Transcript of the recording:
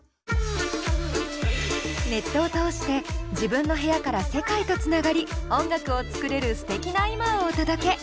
ネットを通して自分の部屋から世界とつながり音楽を作れるすてきな今をお届け！